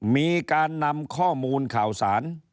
มีการนำข้อมูลข่าวสาร